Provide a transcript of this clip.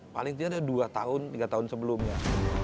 paling tidak ada dua tahun tiga tahun sebelumnya